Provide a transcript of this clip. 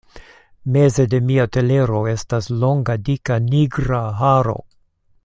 Meze de mia telero estas longa, dika, nigra haro!